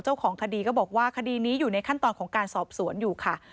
เจ้าของคดีก็บอกว่าคดีนี้อยู่ในขั้นตอนของการสอบสวนอยู่ค่ะ